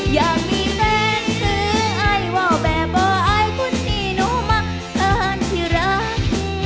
อยากมีแม่นคือไอ้ว่าแบบว่าไอ้คุณนี่หนูมักเผินที่รัก